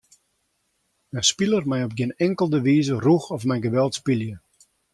In spiler mei op gjin inkelde wize rûch of mei geweld spylje.